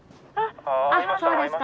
あっそうですか。